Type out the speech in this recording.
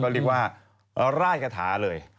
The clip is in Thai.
เรียกว่าร่ายกระถาเลย